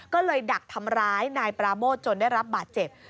ก็เลยดักทำร้ายนายปราโมทจนได้รับบาดเจ็บ